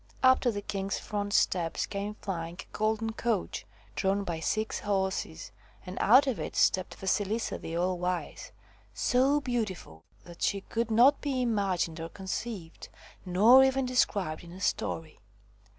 Up to the king's front steps came flying a golden coach drawn by six horses, and out of it stepped Vasilisa the All wise so beautiful that she could not be imagined or conceived, nor even described in a story.